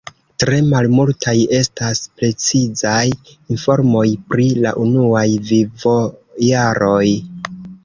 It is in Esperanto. Tre malmultaj estas precizaj informoj pri la unuaj vivojaroj.